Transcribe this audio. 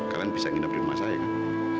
kalian bisa nginep di rumah saya kang